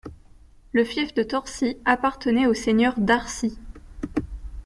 Le fief de Torcy appartenait au au seigneur d'Arcy.